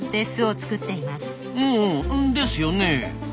うんうんですよねえ。